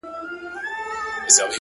• د گريوان ډورۍ ته دادی ځان ورسپاري؛